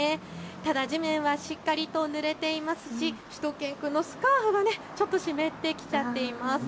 ただ地面はしっかりとぬれていますししゅと犬くんのスカーフがちょっと湿ってきちゃっています。